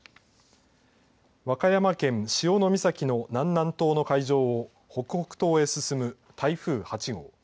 和歌山県潮岬の南南東の海上を北北東へ進む台風８号。